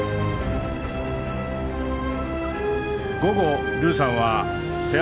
午後ルーさんはフェア